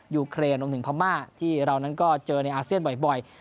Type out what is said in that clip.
ยูเครนรวมถึงพม่าที่เรานั้นก็เจอในอาเซียนบ่อย